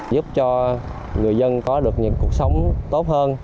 giúp cho người dân có được những cuộc sống tốt hơn